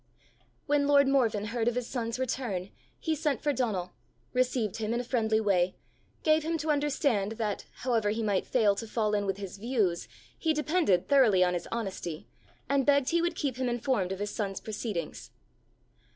When lord Morven heard of his son's return, he sent for Donal, received him in a friendly way, gave him to understand that, however he might fail to fall in with his views, he depended thoroughly on his honesty, and begged he would keep him informed of his son's proceedings.